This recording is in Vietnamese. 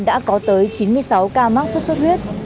đã có tới chín mươi sáu ca mắc suốt suốt huyết